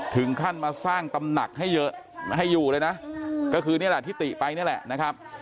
ถึงขั้นมาสร้างตำหนักให้เยอะให้อยู่เลยนะก็คือนี่แหละที่ติไปนี่แหละนะครับ